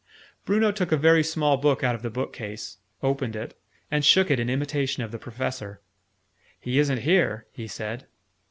Bruno took a very small book out of the bookcase, opened it, and shook it in imitation of the Professor. "He isn't here," he said.